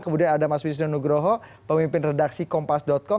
kemudian ada mas wisnu nugroho pemimpin redaksi kompas com